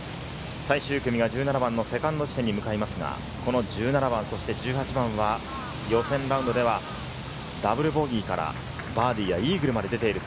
最終組が１７番のセカンド地点に向かいますが、この１７番、そして１８番は予選ラウンドではダブルボギーからバーディーやイーグルまで出ている。